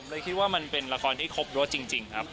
เลยคิดว่ามันเป็นละครที่ครบยศจริงครับ